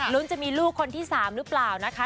ลุ้นจะมีลูกคนที่สามหรือเปล่านะคะ